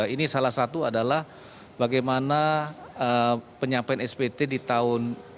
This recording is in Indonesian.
ini salah satu adalah bagaimana penyampaian spt di tahun dua ribu dua puluh